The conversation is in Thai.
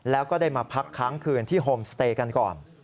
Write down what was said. แล้วก็ได้มาพักค้างคืนที่โฮมสเตย์กันก่อน